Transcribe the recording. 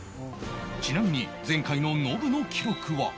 ちなみに前回のノブの記録は